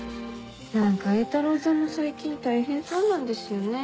何か榮太郎さんも最近大変そうなんですよね。